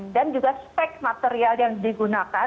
juga spek material yang digunakan